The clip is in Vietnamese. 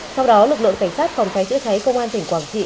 sau đó lực lượng cảnh sát phòng cháy chữa cháy công an tỉnh quảng trị